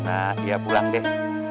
nah ya pulang deh